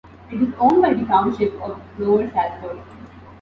It is owned by the township of Lower Salford.